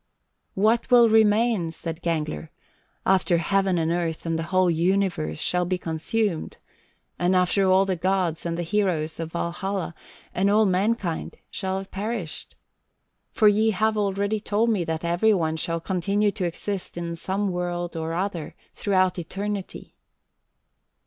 66. "What will remain," said Gangler, "after heaven and earth and the whole universe shall be consumed, and after all the gods, and the heroes of Valhalla, and all mankind shall have perished? For ye have already told me that every one shall continue to exist in some world or other, throughout eternity."